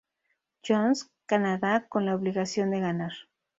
John’s, Canadá con la obligación de ganar.